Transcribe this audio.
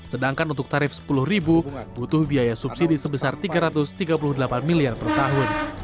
sedangkan untuk tarif rp sepuluh butuh biaya subsidi sebesar rp tiga ratus tiga puluh delapan miliar per tahun